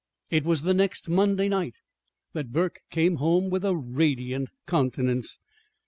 It was the next Monday night that Burke came home with a radiant countenance.